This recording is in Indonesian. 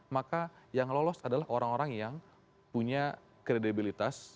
maka yang lolos adalah orang orang yang punya kredibilitas